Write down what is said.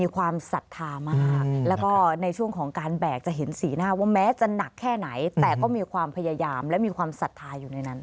ค่ะเป็นการแห่หลมพ่อพระสาย